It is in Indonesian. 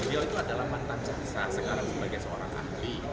beliau itu adalah mantan jaksa sekarang sebagai seorang ahli